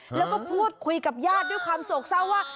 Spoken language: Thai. แล้วก็พูดคุยกับญาติด้วยความโศกเศร้าว่า